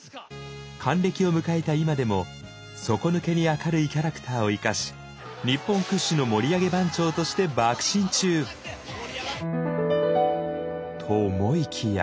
還暦を迎えた今でも底抜けに明るいキャラクターを生かし日本屈指の盛り上げ番長としてばく進中！と思いきや。